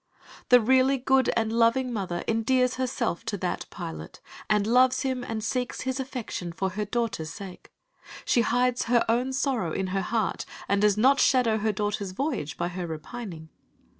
The really good and loving mother endears herself to that pilot, and loves him and seeks his affection for her daughter's sake. She hides her own sorrow in her heart, and does not shadow her daughter's voyage by her repining.